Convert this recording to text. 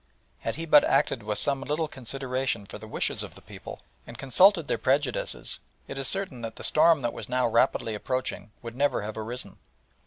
Had he but acted with some little consideration for the wishes of the people, and consulted their prejudices, it is certain that the storm that was now rapidly approaching would never have arisen.